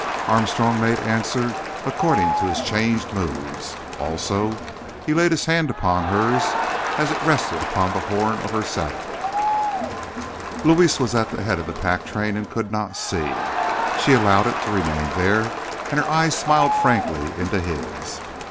Armstrong made answer according to his changed moods. Also he laid his hand upon hers as it rested upon the horn of her saddle. Luis was at the head of the pack train and could not see. She allowed it to remain there, and her eyes smiled frankly into his.